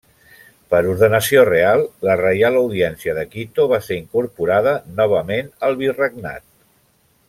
Per ordenació real, la Reial Audiència de Quito va ser incorporada novament al Virregnat.